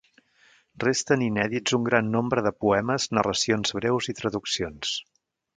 Resten inèdits un gran nombre de poemes, narracions breus i traduccions.